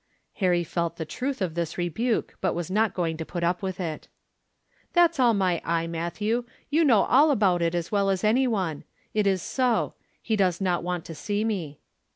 Harry felt the truth of this rebuke, but was not going to put up with it. "That's all my eye, Matthew; you know all about it as well as any one. It is so. He does not want to see me."